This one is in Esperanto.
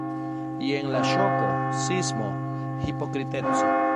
Jen la ŝoko, sismo, hipokriteco.